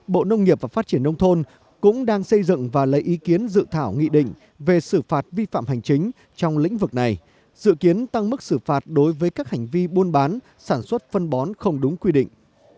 bộ nông nghiệp và phát triển nông thôn cũng đang xây dựng và lấy ý kiến dự thảo nghị định về xử phạt vi phạm hành chính trong lĩnh vực này dự kiến tăng mức xử phạt đối với các hành vi buôn bán sản xuất phân bón không đúng quy định